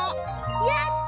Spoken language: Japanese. やった！